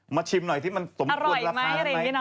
มาชิมหน่อยที่มันสมควรราคา